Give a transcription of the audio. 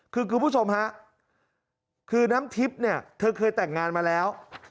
คือคุณผู้ชมฮะคือน้ำทิพย์เนี่ยเธอเคยแต่งงานมาแล้ว